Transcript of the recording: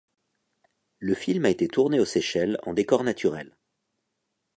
Le film a été tourné aux Seychelles en décors naturels.